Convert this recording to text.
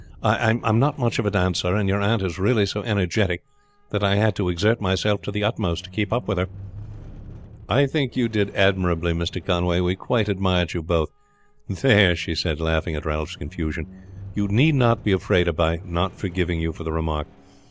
I am not much of a dancer, and your aunt is really so energetic that I had to exert myself to the utmost to keep up with her." "I think you did admirably, Mr. Conway. We quite admired you both. There," she said laughing at Ralph's confusion, "you need not be afraid about my not forgiving you for the remark.